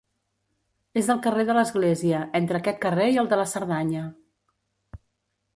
És al carrer de l'Església, entre aquest carrer i el de la Cerdanya.